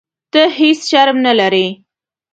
ته هیح شرم نه لرې.